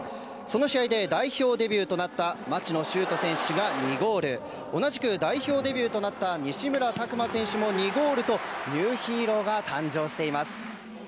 その試合で代表デビューとなった町野修斗選手が２ゴール同じく代表デビューとなった西村拓真選手も２ゴールとニューヒーローが誕生しています。